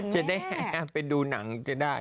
จะได้ไปดูหนังจะได้